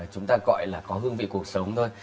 chúng ta gọi là có hương vị cuộc sống thôi